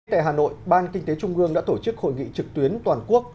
tại hà nội ban kinh tế trung ương đã tổ chức hội nghị trực tuyến toàn quốc